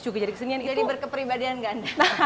jadi berkeperibadian ganda